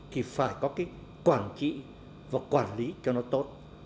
thì phải có cái quản trị và quản lý cho nó tốt